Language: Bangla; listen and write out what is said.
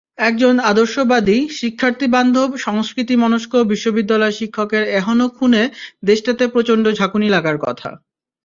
একজন আদর্শবাদী, শিক্ষার্থীবান্ধব, সংস্কৃতিমনস্ক বিশ্ববিদ্যালয় শিক্ষকের এহেন খুনে দেশটাতে প্রচণ্ড ঝাঁকুনি লাগার কথা।